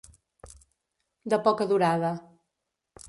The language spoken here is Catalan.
De poca durada.